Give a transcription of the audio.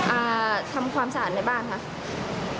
อ่าทำความสะอาดในบ้านค่ะ